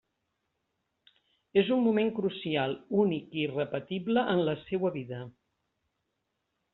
És un moment crucial, únic i irrepetible en la seua vida.